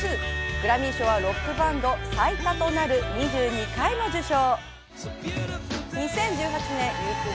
グラミー賞はロックバンド最多となる２２回も受賞。